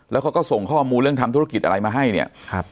แล้วเขาก็ส่งข้อมูลเรื่องทำธุรกิจอะไรมาให้เนี่ยครับ